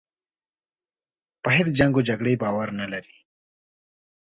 پر هیچ جنګ و جګړې باور نه لري.